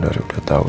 ini langkah teruk